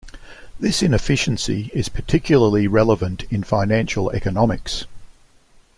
This inefficiency is particularly relevant in financial economics.